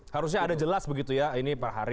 harusnya ada jelas begitu ya ini per hari